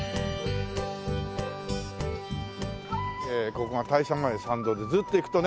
ここが大社前参道でずっと行くとね